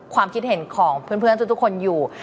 ความคิดเห็นของเพื่อนทุกคนอยู่